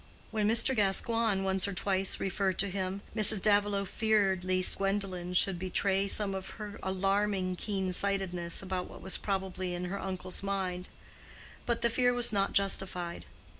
When Mr. Gascoigne once or twice referred to him, Mrs. Davilow feared least Gwendolen should betray some of her alarming keen sightedness about what was probably in her uncle's mind; but the fear was not justified.